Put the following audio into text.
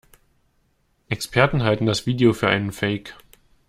Experten halten das Video für einen Fake.